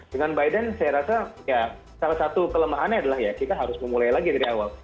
dengan biden saya rasa ya salah satu kelemahannya adalah ya kita harus memulai lagi dari awal